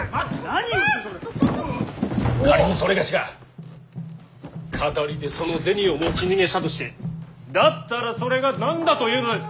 仮に某が騙りでその銭を持ち逃げしたとしてだったらそれが何だというのです。